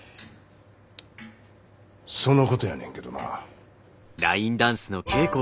そのことやねんけどな。